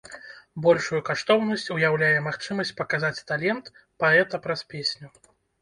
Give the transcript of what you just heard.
Большую каштоўнасць уяўляе магчымасць паказаць талент паэта праз песню.